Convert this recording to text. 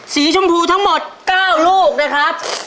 สีชมพูทั้งหมด๙ลูกนะครับ